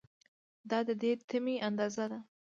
دا د دې تمې اندازه ده.